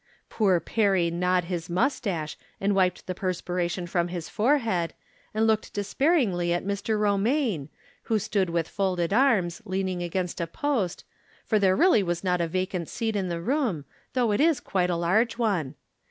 Poor Perry gnawed his moustache and wiped the perspiration from his forehead, and looked despairingly at Mr. Romaine, who stood with folded arms, leaning against a post, for there really was not a vacant seat in the room, though it is quite a large one.